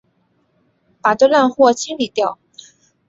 把这烂货清理掉！